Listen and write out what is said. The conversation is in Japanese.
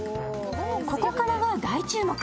ここからが大注目！